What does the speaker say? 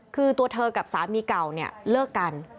คือตัวเธอกับสามีเก่าเนี่ยเลิกกัน